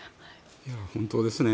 本当ですね。